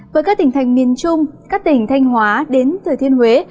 với các tỉnh thành miền trung các tỉnh thanh hóa đến thừa thiên huế